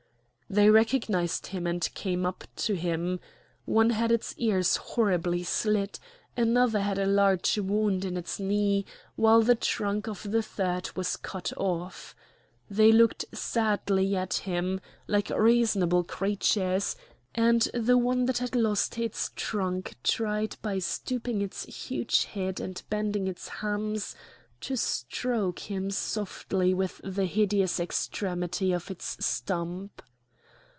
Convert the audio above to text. They recognised him and came up to him. One had its ears horribly slit, another had a large wound in its knee, while the trunk of the third was cut off. They looked sadly at him, like reasonable creatures; and the one that had lost its trunk tried by stooping its huge head and bending its hams to stroke him softly with the hideous extremity of its stump.